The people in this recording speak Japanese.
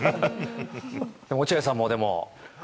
でも、落合さんもでも。